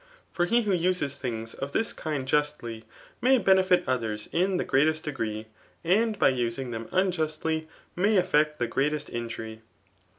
For h^ who uses things of this land justly, may benefit others In the greatest degree, and by using them unjustly may effect the greatest injury.